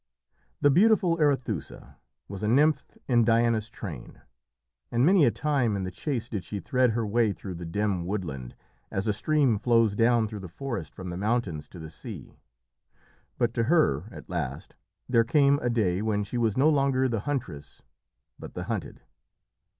The beautiful Arethusa was a nymph in Diana's train, and many a time in the chase did she thread her way through the dim woodland, as a stream flows down through the forest from the mountains to the sea. But to her, at last, there came a day when she was no longer the huntress but the hunted.